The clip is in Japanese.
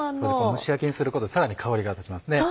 蒸し焼きにすることでさらに香りが立ちます。